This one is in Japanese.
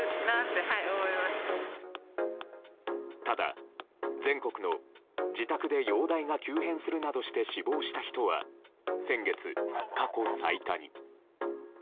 ただ、全国の自宅で容体が急変するなどして死亡した人は先月、過去最多に。